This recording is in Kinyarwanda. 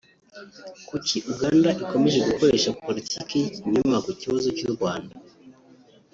Kuki Uganda Ikomeje Gukoresha Politiki Y’ikinyoma Ku Kibazo Cy’u Rwanda